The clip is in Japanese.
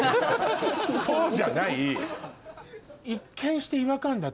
そうじゃない。